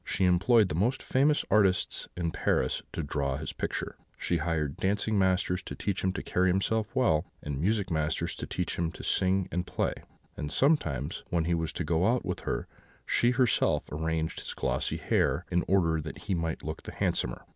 She employed the most famous artists in Paris to draw his picture; she hired dancing masters to teach him to carry himself well, and music masters to teach him to sing and play; and sometimes, when he was to go out with her, she herself arranged his glossy hair, in order that he might look the handsomer.